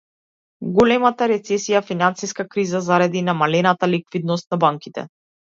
Големата рецесија е финансиска криза заради намалената ликвидност на банките.